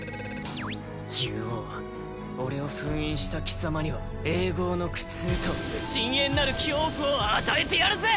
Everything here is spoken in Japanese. ユウオウ俺を封印した貴様には永ごうの苦痛と深えんなる恐怖を与えてやるぜ！